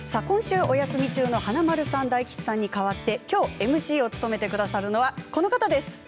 今週お休み中の華丸さん、大吉さんに代わってＭＣを務めてくださるのはこの方です。